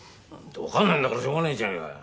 わかんないんだからしょうがねえじゃねえかよ。